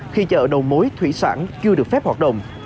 khi chợ đầu mối thủy sản chưa được phép hoạt động